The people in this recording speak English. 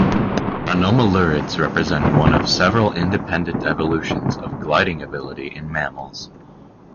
Anomalurids represent one of several independent evolutions of gliding ability in mammals.